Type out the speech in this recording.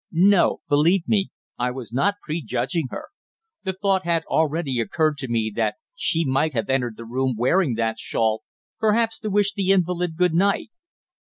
No, believe me: I was not prejudging her! The thought had already occurred to me that she might have entered the room wearing that shawl perhaps to wish the invalid good night.